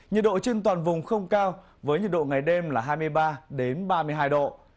nhiệt độ trên toàn vùng không cao với nhiệt độ ngày đêm là hai mươi ba ba mươi hai độ